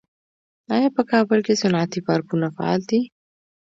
آیا په کابل کې صنعتي پارکونه فعال دي؟